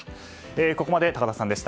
ここまで高田さんでした。